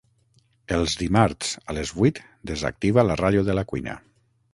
Els dimarts a les vuit desactiva la ràdio de la cuina.